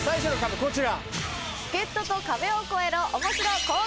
こちら！